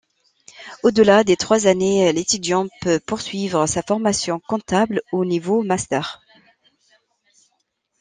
Au-delà des trois années, l'étudiant peut poursuivre sa formation comptable au niveau master.